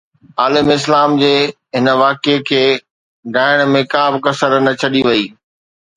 عالم اسلام جي هن قلعي کي ڊاهڻ ۾ ڪا به ڪسر نه ڇڏي وڃي